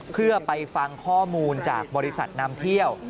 เพื่อไปฟังข้อมูลจากบริษัทนำเที่ยว